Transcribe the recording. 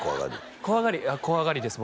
怖がり怖がりです